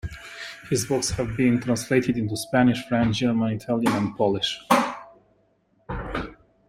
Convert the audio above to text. His books have been translated into Spanish, French, German, Italian and Polish.